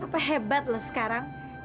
papa hebat loh sekarang